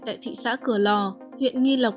tại thị xã cửa lò huyện nghi lộc